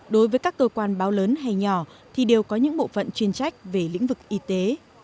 đối với các cơ quan báo lớn hay nhỏ thì đều có những bộ phận chuyên trách về lĩnh vực y tế